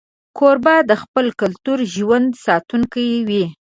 کوربه د خپل کلتور ژوندي ساتونکی وي.